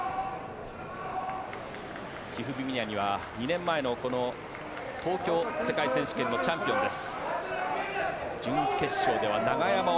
チフビミアニは２年前の東京世界選手権のチャンピオンです。